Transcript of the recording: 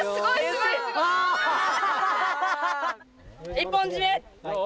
一本じめ！